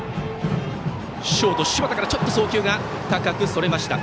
ショート、柴田からちょっと送球が高くそれました。